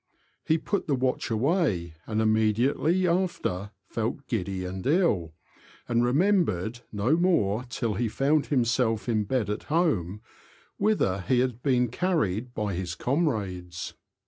He put the watch away, and imme diately after felt giddy and ill, and remembered no more till he found himself in bed at home, whither he had been carried by his comrades.